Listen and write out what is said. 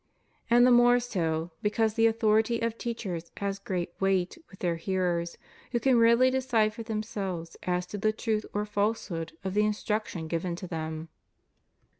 And the more so, be cause the authority of teachers has great weight with their hearers, who can rarely decide for themselves as to the truth or falsehood of the instruction given to them.